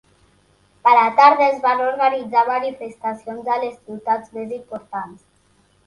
A la tarda es van organitzar manifestacions a les ciutats més importants.